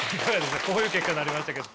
こういう結果になりましたけど。